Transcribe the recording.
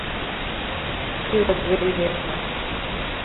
He was really messed up.